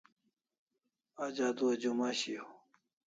Aj adua Juma shiaw